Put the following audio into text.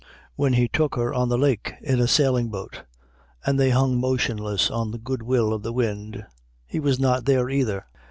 When he took her on the lake in a sailing boat and they hung motionless on the goodwill of the wind, he was not there, either.